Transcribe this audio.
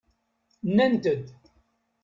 Nnant-d.